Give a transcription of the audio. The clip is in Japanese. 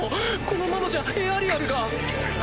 このままじゃエアリアルが。